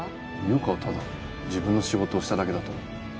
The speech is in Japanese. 優香はただ自分の仕事をしただけだと思う。